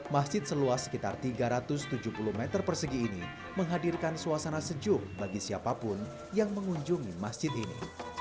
masjid seluas sekitar tiga ratus tujuh puluh meter persegi ini menghadirkan suasana sejuk bagi siapapun yang mengunjungi masjid ini